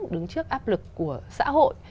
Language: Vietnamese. đứng trước áp lực của xã hội